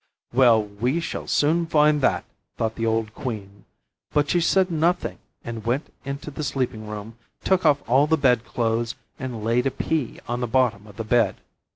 'Well, we shall soon find that!' thought the old Queen. But she said nothing, and went into the sleeping room, took off all the bed clothes, and laid a pea on the bottom of the bed.